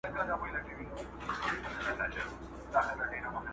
پر اسمان باندي غوړ لمر وو راختلی !.